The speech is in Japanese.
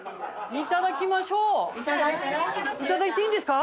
困い燭蕁頂いていいんですか？